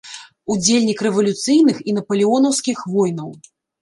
Удзельнік рэвалюцыйных і напалеонаўскіх войнаў.